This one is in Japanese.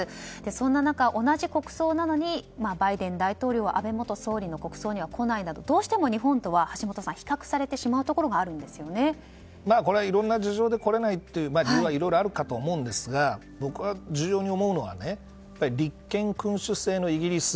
そんな中、同じ国葬なのにバイデン大統領は安倍元総理の国葬には来ないなどどうしても日本とは比較されてしまうところがまあ、これはいろんな事情で来れないという理由はいろいろあるかと思いますが僕は重要に思うのは立憲君主制のイギリス。